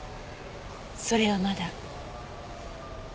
それはまだ。